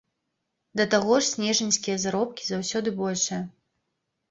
Да таго ж снежаньскія заробкі заўсёды большыя.